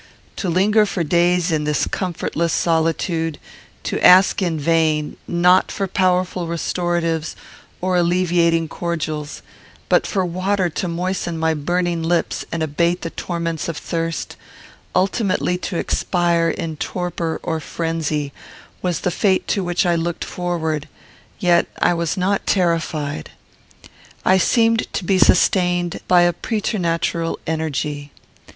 To linger for days in this comfortless solitude, to ask in vain, not for powerful restoratives or alleviating cordials, but for water to moisten my burning lips and abate the torments of thirst; ultimately to expire in torpor or frenzy, was the fate to which I looked forward; yet I was not terrified. I seemed to be sustained by a preternatural energy.